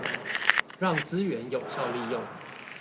讓資源有效利用